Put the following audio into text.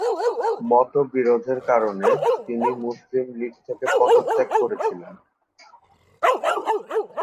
মতবিরোধের কারণে তিনি মুসলিম লীগ থেকে পদত্যাগ করেছিলেন।